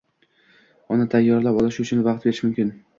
unga tayyorlanib olishi uchun vaqt berish mumkin.